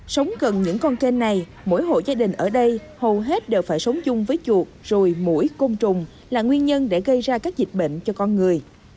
sống gần những con kênh này mỗi hộ gia đình ở đây hầu hết đều phải sống chung với chuột rồi mũi côn trùng là nguyên nhân để gây ra các dịch bệnh cho con người